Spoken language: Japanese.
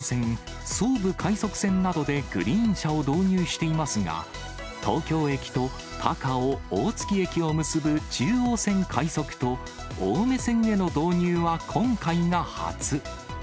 ＪＲ東日本では、すでに東海道線や常磐線、総武快速線などでグリーン車を導入していますが、東京駅と高尾・大月駅を結ぶ中央線快速と、青梅線への導入は今回が初。